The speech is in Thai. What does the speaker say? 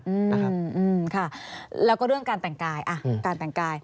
อืมค่ะแล้วก็เรื่องการแต่งกาย